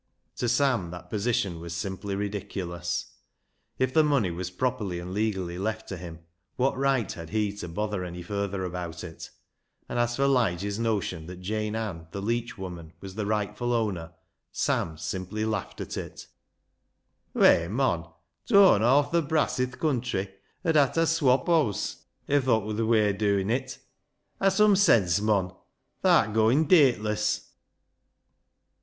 To Sam that position was simply ridiculous. If the money was properly and legally left to him, what right had he to bother any further about it ? And as for Lige's notion that Jane Ann, the leech woman, was the rightful owner, Sam simply laughed at it. 192 BECKSIDE LIGHTS " Whey, mon ! t'oan hawf th' brass i' th' country 'ud ha' ta swop hons if thot wor th' way o' doin' it. Ha' some sense, mon ! Tha'rt goin' dateliss."